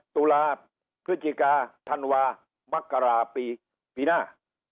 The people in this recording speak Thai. ตุลาพฤศจิกาธันวามกราปีปีหน้า